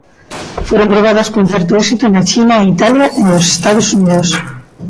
Foron probadas cun certo éxito na China, Italia e os Estados Unidos.